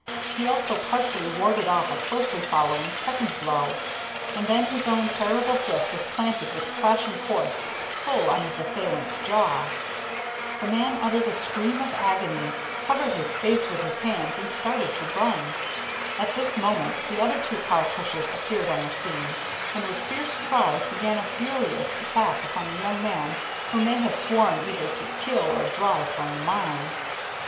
He also partially warded off a closely following second blow, and then his own terrible fist was planted with crashing force full on his assailant's jaw. [Illustration: THE CAR PUSHERS MADE A FURIOUS ATTACK ON PEVERIL] The man uttered a scream of agony, covered his face with his hands, and started to run. At this moment the other two car pushers appeared on the scene, and with fierce cries began a furious attack upon the young man whom they had sworn either to kill or drive from the mine.